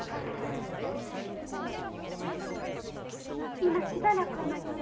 今しばらくお待ちを。